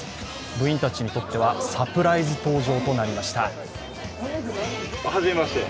部員たちにとってはサプライズ登場となりました。